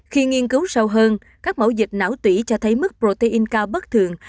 khi nghiên cứu sâu hơn các mẫu dịch não tủy cho thấy mức protein cao bất thường